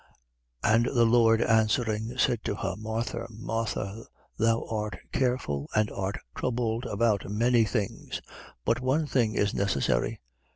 10:41. And the Lord answering, said to her: Martha, Martha, thou art careful and art troubled about many things: 10:42. But one thing is necessary.